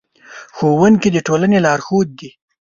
ښوونکي د ټولنې لارښود دي.